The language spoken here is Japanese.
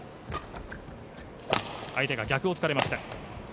相手が逆を突かれました。